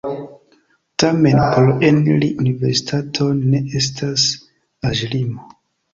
Tamen por eniri universitaton ne estas aĝlimo.